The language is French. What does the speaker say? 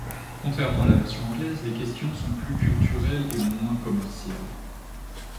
Contrairement à la version anglaise, les questions sont plus culturelles et moins commerciales.